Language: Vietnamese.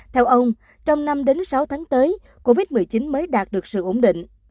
theo ông trong năm sáu tháng tới covid một mươi chín mới đạt được sự ổn định